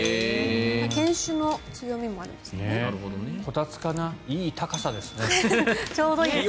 犬種の強みもあるみたいです。